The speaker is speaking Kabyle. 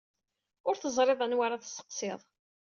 Ur teẓriḍ anwa ara tesseqsiḍ.